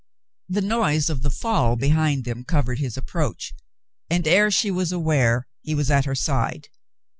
The noise of the fall behind them covered his approach, and ere she was aware he was at her side.